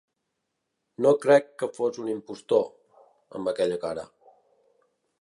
No crec que fos un impostor, amb aquella cara.